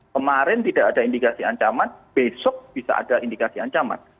kemarin tidak ada indikasi ancaman besok bisa ada indikasi ancaman